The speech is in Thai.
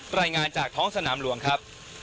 รายงานจากท้องสนามหลวงครับ